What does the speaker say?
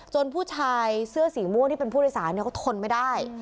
ผู้ชายเสื้อสีม่วงที่เป็นผู้โดยสารเขาทนไม่ได้